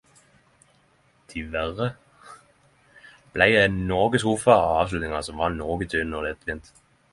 Diverre blei eg noko skuffa av avslutninga som var noko tynn og lettvint.